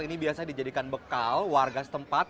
ini biasanya dijadikan bekal warga setempat